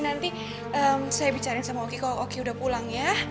nanti saya bicarain sama oki kalau oki udah pulang ya